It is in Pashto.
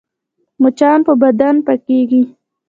مچان په بدن پکېږي